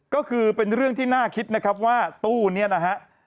ก็คือเป็นเรื่องที่น่าคิดนะครับว่าตู้นี้นะฮะ